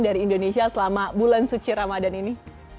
dari indonesia selama bulan suci ramadan ini